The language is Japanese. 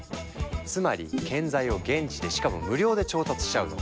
つまり建材を現地でしかも無料で調達しちゃうの。